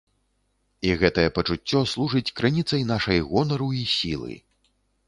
І гэтае пачуццё служыць крыніцай нашай гонару і сілы.